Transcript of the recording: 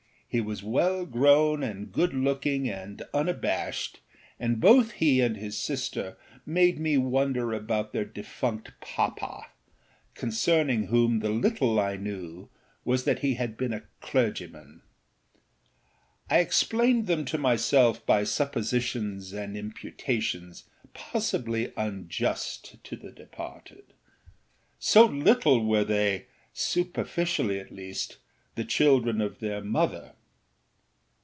He was well grown and good looking and unabashed, and both he and his sister made me wonder about their defunct papa, concerning whom the little I knew was that he had been a clergyman. I explained them to myself by suppositions and imputations possibly unjust to the departed; so little were theyâsuperficially at leastâthe children of their mother.